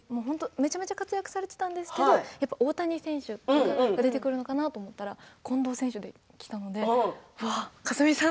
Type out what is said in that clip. めちゃめちゃ活躍されていたんですけれども大谷選手が出てくるかなと思ったら近藤選手が出てきたので架純さん